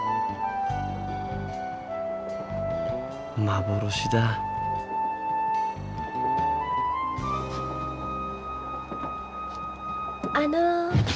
幻だあの。